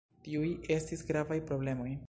Tiuj estis gravaj problemoj.